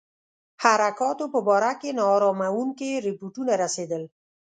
حرکاتو په باره کې نا اراموونکي رپوټونه رسېدل.